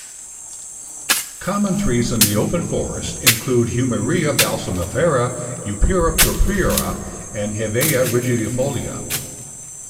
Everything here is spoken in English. Common trees in the open forest include "Humiria balsamifera", "Eperua purpurea" and "Hevea rigidifolia".